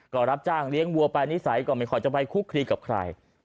ก็รับจ้างเลี้ยงวัวไปนิสัยก็ไม่ค่อยจะไปคุกคลีกับใคร